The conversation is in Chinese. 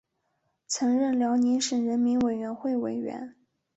曾任辽宁省人民委员会委员。